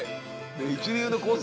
一流のコース